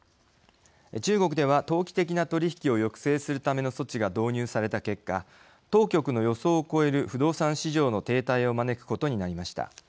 中国では投機的な取引を抑制するための措置が導入された結果当局の予想を超える不動産市場の停滞を招くことになりました。